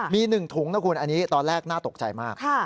มี๑ถุงนะคุณอันนี้ตอนแรกน่าตกใจมาก